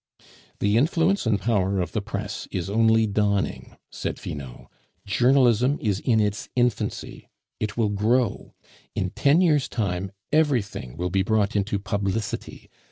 "The influence and power of the press is only dawning," said Finot. "Journalism is in its infancy; it will grow. In ten years' time, everything will be brought into publicity.